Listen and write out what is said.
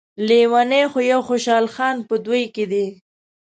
لیونی خو يو خوشحال خان په دوی کې دی.